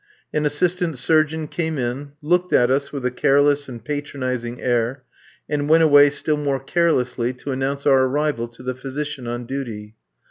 An assistant surgeon came in, looked at us with a careless and patronising air, and went away still more carelessly to announce our arrival to the physician on duty.